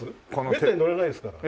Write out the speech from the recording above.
めったに乗れないですから。